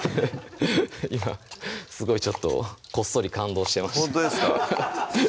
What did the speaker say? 今すごいこっそり感動してましたほんとですか？